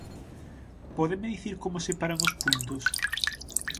¿Pódeme dicir como separan os puntos?